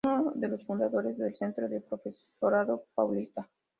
Fue uno de los fundadores del Centro del Profesorado Paulista.